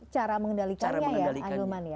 cara mengendalikannya ya